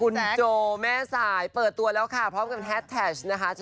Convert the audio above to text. คุณโจแม่สายเปิดตัวแล้วค่ะพร้อมกับแฮดแท็กนะคะ